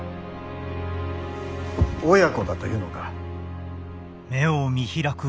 親子だというのか？